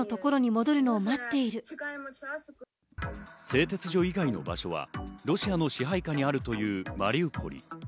製鉄所以外の場所はロシアの支配下にあるというマリウポリ。